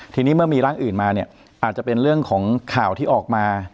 ทีนี้เมื่อมีร่างอื่นมาเนี่ยอาจจะเป็นเรื่องของข่าวที่ออกมา